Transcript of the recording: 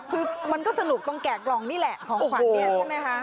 คือมันก็สนุกตรงแกะกล่องนี่แหละของขวัญเนี่ยใช่ไหมคะ